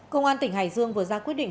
công an tỉnh hải dương vừa ra quyết định